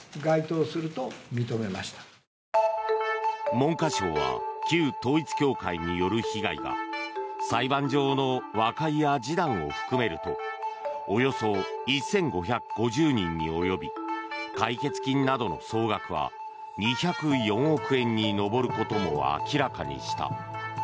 文科省は旧統一教会による被害が裁判上の和解や示談を含めるとおよそ１５５０人に及び解決金などの総額は２０４億円に上ることも明らかにした。